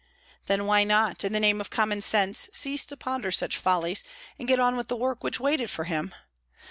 Then why not, in the name of common sense, cease to ponder such follies, and get on with the work which waited for him?